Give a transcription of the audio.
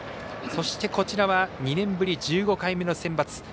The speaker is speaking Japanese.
そして、こちらは２年ぶり１５回目のセンバツ。